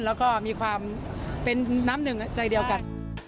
แล้วก็มีความเป็นน้ำหนึ่งใจเดียวกัน